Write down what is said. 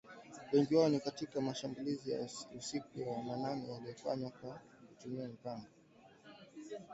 Wengi wao ni katika mashambulizi ya usiku wa manane yaliyofanywa kwa kutumia mapanga na mashoka